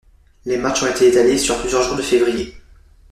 Les matchs ont été étalés sur plusieurs jours de février.